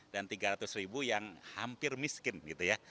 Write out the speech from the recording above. dan tiga ratus ribu yang hampir miskin gitu ya